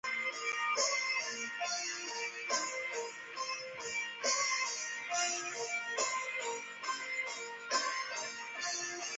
有些库瓦赫皮利可以与皇室成员通婚。